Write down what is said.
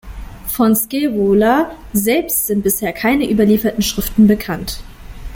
Von Scaevola selbst sind bisher keine überlieferten Schriften bekannt.